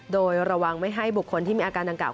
โดยระวังไม่ให้บุคคลที่มีอาการดังกล่า